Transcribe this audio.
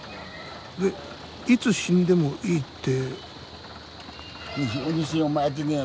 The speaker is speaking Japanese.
でいつ死んでもいいって？